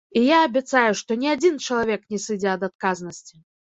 І я абяцаю, што ні адзін чалавек не сыдзе ад адказнасці!